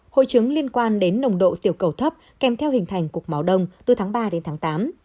hội chứng liên quan đến nồng độ tiểu cầu thấp kèm theo hình thành cục máu đông từ tháng ba đến tháng tám